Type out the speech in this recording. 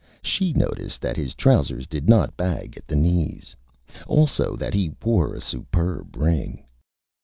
She noticed that his Trousers did not bag at the Knees; also that he wore a superb Ring.